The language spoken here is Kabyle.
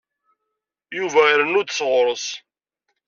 Yuba irennu-d sɣur-s.